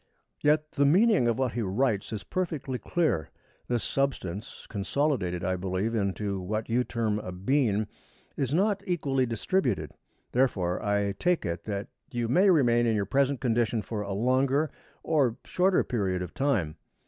Yet the meaning of what he writes is perfectly clear. This substance, consolidated, I believe, into what you term a bean, is not equally distributed. Therefore, I take it that you may remain in your present condition for a longer or shorter period of time.